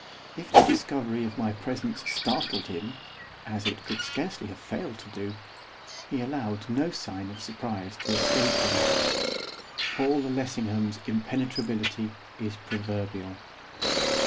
If the discovery of my presence startled him, as it could scarcely have failed to do, he allowed no sign of surprise to escape him. Paul Lessingham's impenetrability is proverbial.